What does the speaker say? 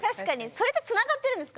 それとつながってるんですか？